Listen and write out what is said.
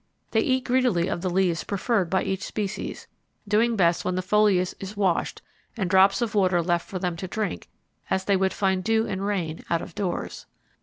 They eat greedily of the leaves preferred by each species, doing best when the foliage is washed and drops of water left for them to drink as they would find dew and rain out of doors.